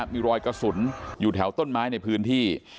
มีรอยกระสุนอยู่แถวต้นไม้ในพื้นที่